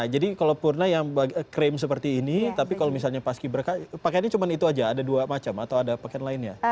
jadi kalau purna yang krim seperti ini tapi kalau misalnya paski berkah pakaiannya cuma itu saja ada dua macam atau ada pakaian lainnya